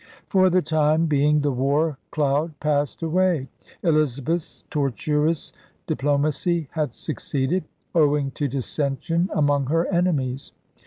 For the time being the war cloud passed away. Elizabeth's tortuous diplomacy had succeeded, owing to dissension among her enemies.